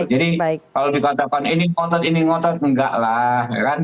jadi kalau dikatakan ini ngotot ini ngotot enggak lah